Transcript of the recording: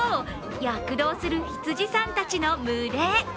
躍動する羊さんたちの群れ。